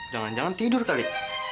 jangan jangan tidur kali